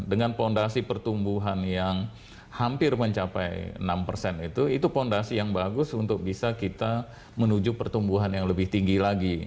dengan fondasi pertumbuhan yang hampir mencapai enam persen itu itu fondasi yang bagus untuk bisa kita menuju pertumbuhan yang lebih tinggi lagi